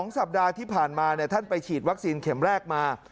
สัปดาห์ที่ผ่านมาท่านไปฉีดวัคซีนเข็มแรกมา